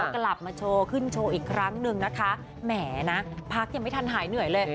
กลับมาโชว์ขึ้นโชว์อีกครั้งหนึ่งนะคะแหมนะพักยังไม่ทันหายเหนื่อยเลย